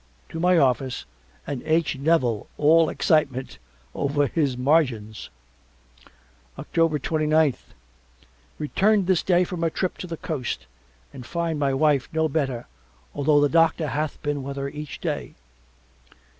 To my office and H. Nevil all excitement over his margins. October twenty ninth Returned this day from a trip to the Coast and find my wife no better although the doctor hath been with her each day.